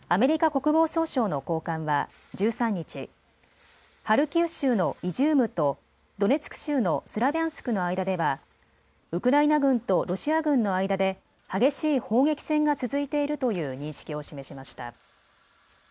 国防総省の高官は１３日、ハルキウ州のイジュームとドネツク州のスラビャンスクの間ではウクライナ軍とロシア軍の間で激しい砲撃戦が続いているという認識を示しました。